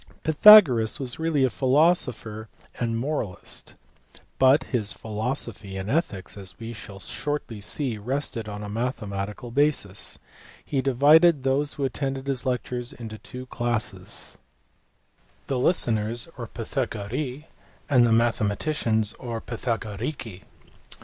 Pythagoras was really a philosopher and moralist, but his philosophy and ethics, as we shall shortly see, rested on a mathematical basis. He divided those who attended his lectures into two classes, the listeners or TrvOayoptioi and the mathe maticians or TrvOay opt/cot.